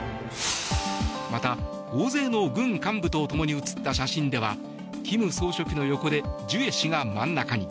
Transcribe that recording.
また、大勢の軍幹部と共に写った写真では金総書記の横でジュエ氏が真ん中に。